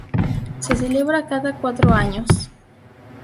Se celebra cada cuatro años.